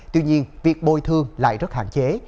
tuy nhiên việc bồi thương lại rất hạn chế